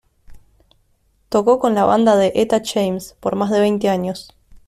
Tocó con la banda de Etta James por más de veinte años.